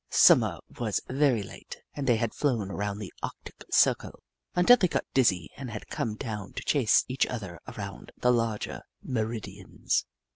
Summer was very late, and they had flown around the Arc tic Circle until they got dizzy and had come down to chase each other around the larger meridians.